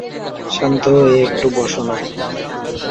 শান্ত হয়ে একটু বসো না।